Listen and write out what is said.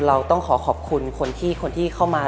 เราต้องขอขอบคุณคนที่คนที่เข้ามา